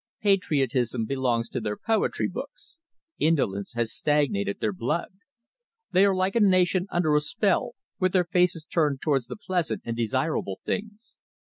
Patriotism belongs to their poetry books. Indolence has stagnated their blood. They are like a nation under a spell, with their faces turned towards the pleasant and desirable things.